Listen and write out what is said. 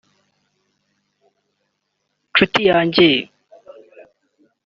nshuti yanjye